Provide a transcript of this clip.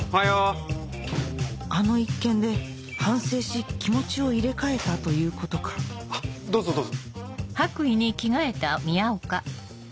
あの一件で反省し気持ちを入れ替えたということかどうぞどうぞ。